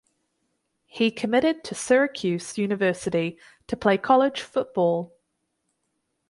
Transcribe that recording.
He committed to Syracuse University to play college football.